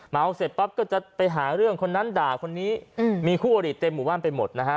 เสร็จปั๊บก็จะไปหาเรื่องคนนั้นด่าคนนี้มีคู่อริเต็มหมู่บ้านไปหมดนะฮะ